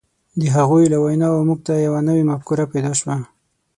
د هغوی له ویناوو موږ ته یوه مفکوره پیدا شوه.